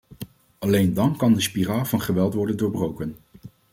Alleen dan kan de spiraal van geweld worden doorbroken.